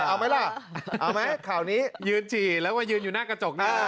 เอาไหมล่ะเอาไหมข่าวนี้ยืนฉี่แล้วมายืนอยู่หน้ากระจกหน้า